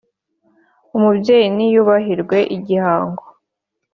umubyeyi ni yubahirwe igihango